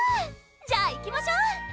じゃあいきましょう！